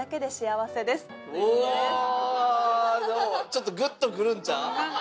ちょっとグッと来るんちゃう？